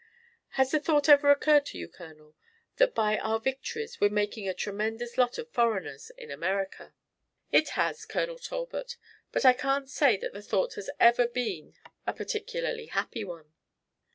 Has the thought ever occurred to you, Colonel, that by our victories we're making a tremendous lot of foreigners in America?" "It has, Colonel Talbot, but I can't say that the thought has ever been a particularly happy one."